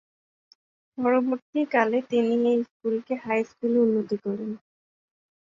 পরবর্তীকালে তিনি এই স্কুলকে হাই স্কুলে উন্নীত করেন।